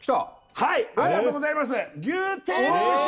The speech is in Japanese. はいありがとうございます牛テール串！